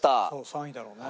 ３位だろうね。